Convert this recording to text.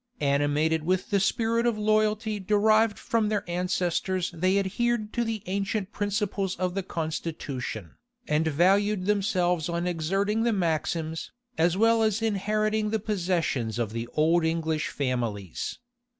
Animated with the spirit of loyalty derived from their ancestors they adhered to the ancient principles of the constitution, and valued themselves on exerting the maxims, as well as inheriting the possessions of the old English families.